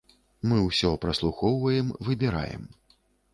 Мы ўсё праслухоўваем, выбіраем.